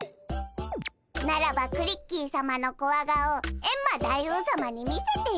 ならばクリッキーさまのコワ顔エンマ大王さまに見せてやるぞ！